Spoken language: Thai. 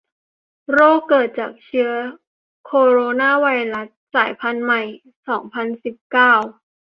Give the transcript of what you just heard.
โรค เกิดจากเชื้อโคโรนาไวรัส สายพันธุ์ใหม่ สองพันสิบเก้า